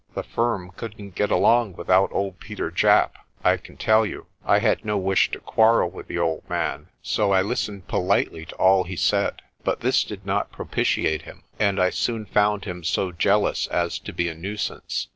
The firm couldn't get along without old Peter Japp, I can tell you." I had no wish to quarrel with the old man, so I listened politely to all he said. But this did not propitiate him, and I soon found him so jealous as to be a nuisance.